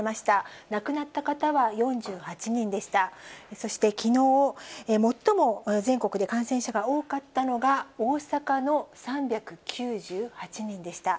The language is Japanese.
そして、きのう最も全国で感染者が多かったのが、大阪の３９８人でした。